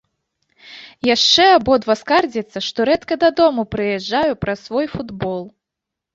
Яшчэ абодва скардзяцца, што рэдка дадому прыязджаю праз свой футбол.